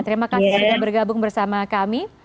terima kasih sudah bergabung bersama kami